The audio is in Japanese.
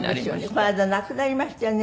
この間亡くなりましたよね